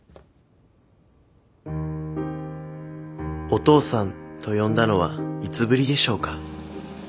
「お父さん」と呼んだのはいつぶりでしょうか？